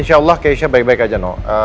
insya allah keisha baik baik aja no